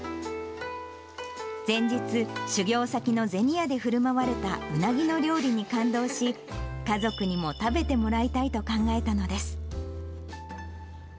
前日、修業先の銭屋でふるまわれたうなぎの料理に感動し、家族にも食べてもらいたいと考えたのです。